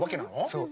そう。